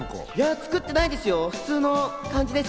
作ってないですよ、普通の感じです。